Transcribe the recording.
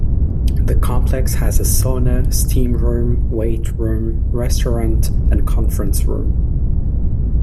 The complex has a sauna, steam room, weight room, restaurant and conference room.